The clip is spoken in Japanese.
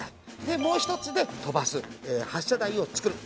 でもう一つで飛ばす発射台を作る。